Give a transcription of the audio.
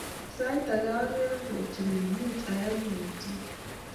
Sait age ageree, kotuni muuch ayay kiy age tugul